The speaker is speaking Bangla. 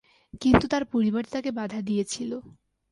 কিন্তু তার পরিবার তাকে বাঁধা দিয়েছিল।